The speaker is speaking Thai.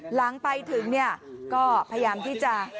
หลังไปถึงเนี่ยก็พยายามที่จะ